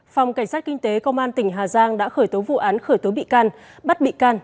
phòng cảnh sát kinh tế công an tỉnh hà giang đã khởi tố vụ án khởi tố bị can bắt bị can